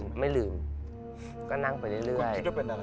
แล้วนั่งไปเรื่อย